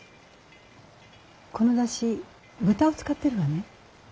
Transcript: この出汁豚を使ってるわね。